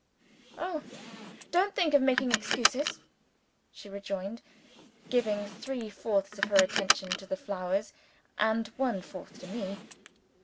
"Oh, don't think of making excuses!" she rejoined, giving three fourths of her attention to the flowers, and one fourth to me.